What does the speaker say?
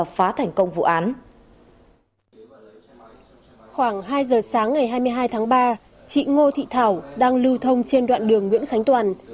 khoảng hai giờ sáng ngày hai mươi hai tháng ba chị ngô thị thảo đang lưu thông trên đoạn đường nguyễn khánh toàn